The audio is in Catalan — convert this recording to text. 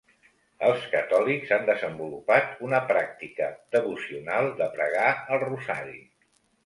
Els catòlics han desenvolupat una pràctica devocional de pregar al rosari.